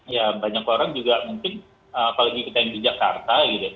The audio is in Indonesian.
ya banyak orang juga mungkin apalagi kita yang di jakarta gitu ya